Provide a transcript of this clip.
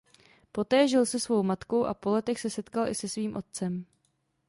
Poté žil se svou matkou a po letech se setkal i se svým otcem.